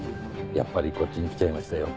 やっぱりこっちに来ちゃいましたよ。